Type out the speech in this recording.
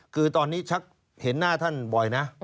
คือตอนนี้ชักเห็นหน้าท่านบ่อยนะ